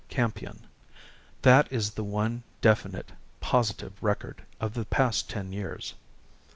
Campion. That is the one definite, positive record of the past ten years.